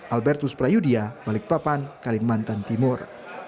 albertus prayudya balikpapan kalimantan timur